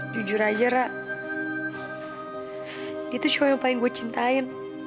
jujur aja rah dia tuh cuma yang paling gue cintain